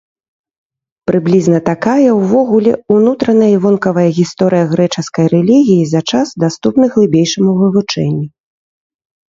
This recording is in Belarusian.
Прыблізна такая, увогуле, унутраная і вонкавая гісторыя грэчаскай рэлігіі за час, даступны глыбейшаму вывучэнню.